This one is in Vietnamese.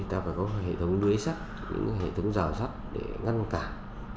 ta phải có hệ thống lưới sắt những hệ thống rào sắt để ngăn cản